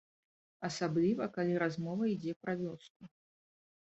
Асабліва, калі размова ідзе пра вёску.